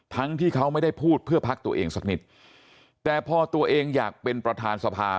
ที่เขาไม่ได้พูดเพื่อพักตัวเองสักนิดแต่พอตัวเองอยากเป็นประธานสภา